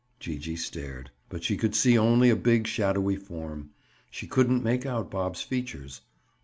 Gee gee stared, but she could see only a big shadowy form; she couldn't make out Bob's features.